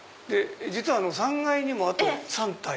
実は３階にもあと３体。